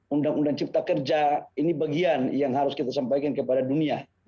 undang undang cipta kerja ini bagian yang harus kita sampaikan kepada dunia